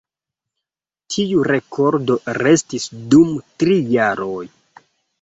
Tiu rekordo restis dum tri jaroj.